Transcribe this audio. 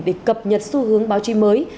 để cập nhật xu hướng báo chí mới